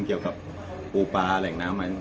ตาวตาวตาวตาวตาวตาวกลุ่น